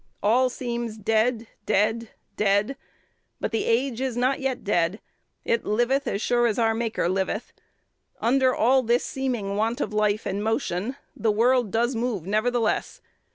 All seems dead, dead, dead: but the age is not yet dead; it liveth as sure as our Maker liveth. Under all this seeming want of life and motion, the world does move nevertheless.